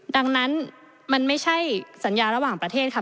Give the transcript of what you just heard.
ดังนั้นมันไม่ใช่สัญญาระหว่างประเทศค่ะ